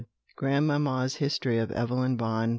] Grandmamma's History of Evelyn Vaughan.